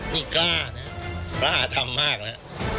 นี่กล้านะฮะระหะทำมากน่ะ